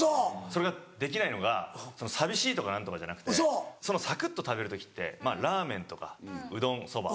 それができないのが寂しいとか何とかじゃなくてそのさくっと食べる時ってラーメンとかうどんそば